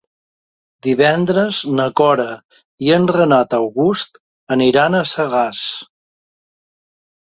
Divendres na Cora i en Renat August aniran a Sagàs.